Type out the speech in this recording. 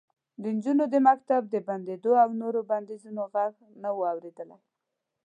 د نجونو د مکتب د بندېدو او نورو بندیزونو غږ نه و اورېدلی